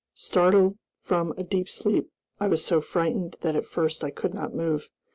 Startled from a deep sleep, I was so frightened that at first I could not move.